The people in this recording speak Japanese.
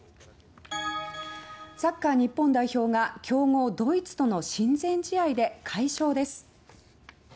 サッカー日本代表が強豪ドイツとの親善試合で快勝です。